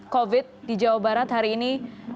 covid di jawa barat hari ini